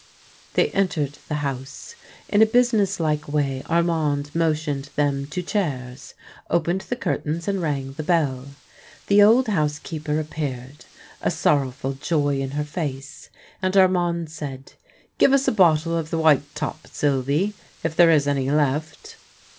They entered the house. In a businesslike way 'Armand motioned them to chairs, opened the curtains, and rang the bell. The old housekeeper appeared, a sorrowful joy in her face, and Armand said, " Give us a bottle, of the white top, Sylvie, if there is any left."